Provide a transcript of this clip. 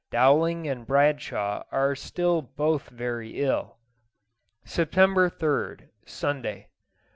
Dowling and Bradshaw are still both very ill. September 3rd, Sunday.